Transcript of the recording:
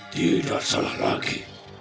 tidak salah lagi